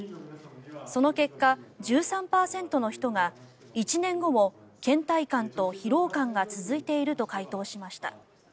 その結果、１３％の人が１年後もけん怠感と疲労感が続いていると回答しました。